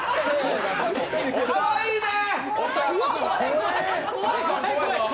かわいいね。